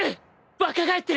若返ってる！